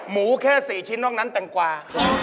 หมูแค่๔ชิ้นนอกนั้นแตงกว่า